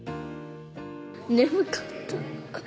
眠かった。